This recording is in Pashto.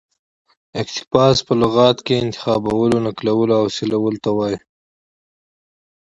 اقتباس په لغت کښي انتخابولو، نقلولو او حاصلولو ته وايي.